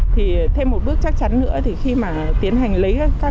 thì thêm một bước chắc chắn nữa thì khi mà tiến hành lấy tài liệu